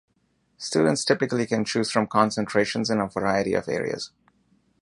Students typically can choose from concentrations in a variety of areas.